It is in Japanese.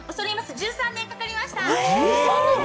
１３年かかりました。